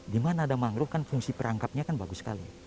di mana ada mangrove kan fungsi perangkapnya kan bagus sekali